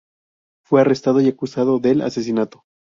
Fue arrestado y acusado del asesinato.